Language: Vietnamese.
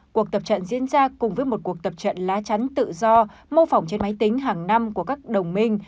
cuộc tập trận diễn ra cùng với một cuộc tập trận lá chắn tự do mô phỏng trên máy tính hàng năm của các đồng minh